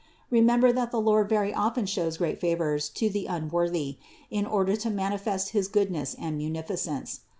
Remember that the Lord very often shows great favors to the unworthy, in order to manifest his goodness and munificence.